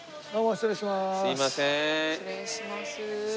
失礼します。